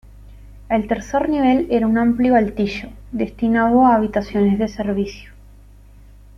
El tercer nivel era un amplio altillo, destinado a habitaciones de servicio.